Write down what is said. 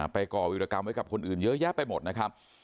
ก่อวิรกรรมไว้กับคนอื่นเยอะแยะไปหมดนะครับ